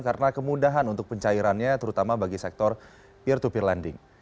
karena kemudahan untuk pencairannya terutama bagi sektor peer to peer lending